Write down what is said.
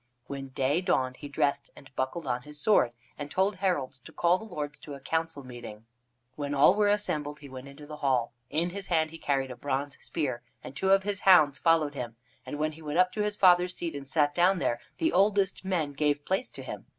When day dawned he dressed and buckled on his sword, and told heralds to call the lords to a council meeting. When all were assembled he went into the hall. In his hand he carried a bronze spear, and two of his hounds followed him, and when he went up to his father's seat and sat down there, the oldest men gave place to him.